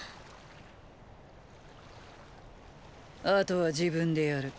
後は自分でやる。